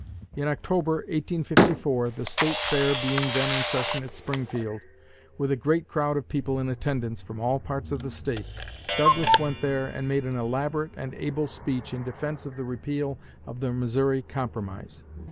In October, 1854, the State Fair being then in session at Springfield, with a great crowd of people in attendance from all parts of the State, Douglas went there and made an elaborate and able speech in defense of the repeal of the Missouri Compromise.